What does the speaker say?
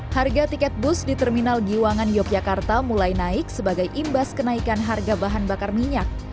harga tiket bus di terminal giwangan yogyakarta mulai naik sebagai imbas kenaikan harga bahan bakar minyak